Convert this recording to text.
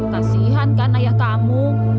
kasihan kan ayah kamu